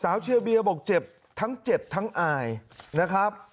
เชียร์เบียบอกเจ็บทั้งเจ็บทั้งอายนะครับ